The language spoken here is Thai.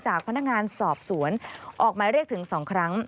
พนักงานสอบสวนออกหมายเรียกถึง๒ครั้ง